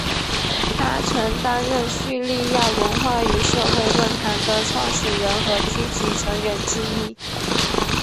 他曾担任叙利亚文化与社会论坛的创始人和积极成员之一。